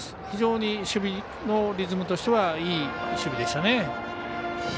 非常に守備のリズムとしてはいい守備でしたね。